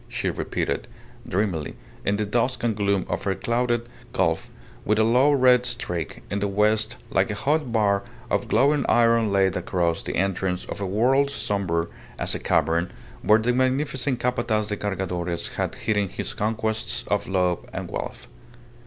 she repeated, dreamily, in the dusk and gloom of the clouded gulf, with a low red streak in the west like a hot bar of glowing iron laid across the entrance of a world sombre as a cavern, where the magnificent Capataz de Cargadores had hidden his conquests of love and wealth.